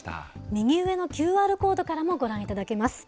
右上のＱＲコードからもご覧いただけます。